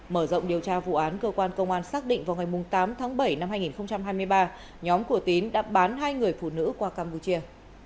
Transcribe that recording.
mở rộng điều tra vụ án cơ quan công an xác định vào ngày tám tháng bảy năm hai nghìn hai mươi ba nhóm cổ tín đã bán hai người phụ nữ qua campuchia